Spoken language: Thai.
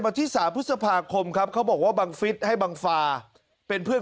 วันที่๓พฤษภาคมครับเขาบอกว่าบังฟิศให้บังฟาเป็นเพื่อน